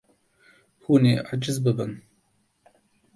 Hûn ê aciz bibin.